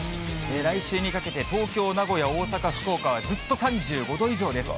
来週にかけて、東京、名古屋、大阪、福岡はずっと３５度以上です。